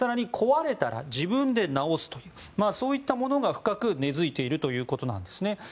壊れたら自分で直すというそういったものが深く根付いているということです。